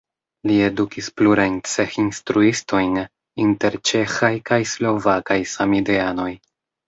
Li edukis plurajn Cseh-instruistojn inter ĉeĥaj kaj slovakaj samideanoj.